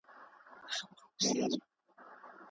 انارګل په خپل اوږد لرګي سره د غره د څوکې په لور کتل.